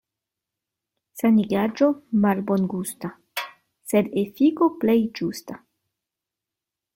Sanigaĵo malbongusta, sed efiko plej ĝusta.